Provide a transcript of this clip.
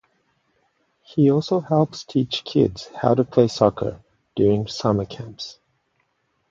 He also helps teach kids how to play soccer during summer camps.